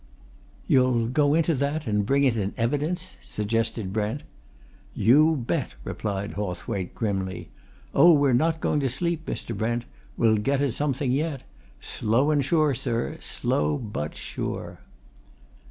"You'll go into that, and bring it in evidence?" suggested Brent. "You bet!" replied Hawthwaite grimly. "Oh, we're not going to sleep, Mr. Brent we'll get at something yet! Slow and sure, sir, slow but sure."